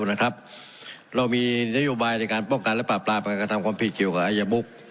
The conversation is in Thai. เรามีนโยบายในการป้องกันและปราบปรามการกระทำความผิดเกี่ยวกับอายมุก